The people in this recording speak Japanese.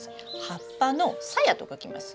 葉っぱの鞘と書きます。